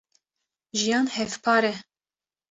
jiyan hevpar e.